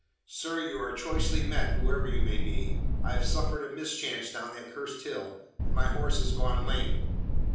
"Sir, you are choicely met, whoever you may be. I have suffered a mischance down that cursed hill, and my horse has gone lame."